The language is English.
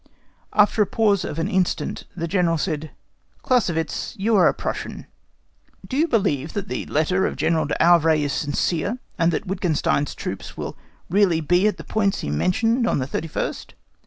After a pause of an instant, the General said, "Clausewitz, you are a Prussian, do you believe that the letter of General d'Auvray is sincere, and that Wittgenstein's troops will really be at the points he mentioned on the 31st?"